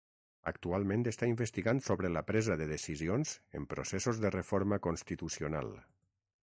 Actualment està investigant sobre la presa de decisions en processos de reforma constitucional.